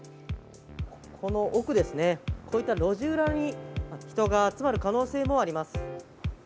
この奥ですね、こういった路地裏に人が集まる可能性もあります。